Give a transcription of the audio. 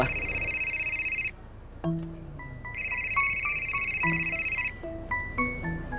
ah ini gua